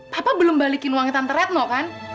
papa belum balikin wangi tante retno kan